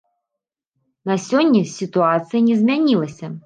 На сёння сітуацыя не змянілася.